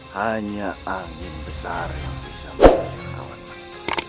hanya angin besar yang bisa mengusir awan mati